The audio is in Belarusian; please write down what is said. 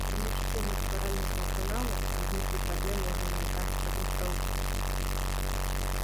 Між тым, у стваральнікаў каналу ўзніклі праблемы ўжо на этапе падрыхтоўкі.